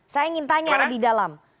saya ingin tanya lebih dalam